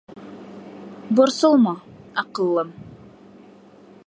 Борсолма, аҡыллым.